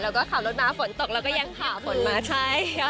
เราก็ขับรถม้าฝนตกเราก็ยังผ่าฝนม้าชัย